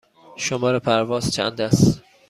شماره پرواز چند است؟